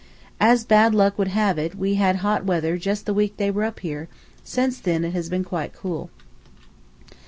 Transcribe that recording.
As bad luck would have it we had hot weather just the week they were up here: since then it has been quite cool.